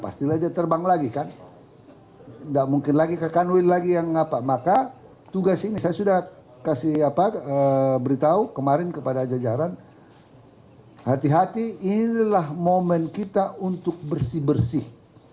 saya sudah beritahu kemarin kepada jajaran hati hati inilah momen kita untuk bersih bersih